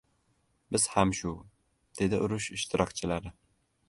— Biz ham shu, — dedi urush ishtirokchilari.